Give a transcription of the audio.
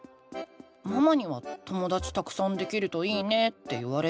ママには「ともだちたくさんできるといいね」って言われたけど。